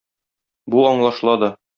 Бу аңлашыла да.